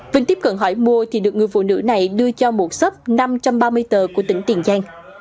vinh tiếp cận hỏi mua thì được người phụ nữ này đưa cho một sấp năm trăm ba mươi tờ của tỉnh tiền giang